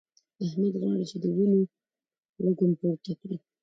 احمد غواړي چې د وينو وږم پورته کړي.